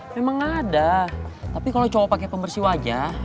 memang ada tapi kalo cowok pake pembersih wajah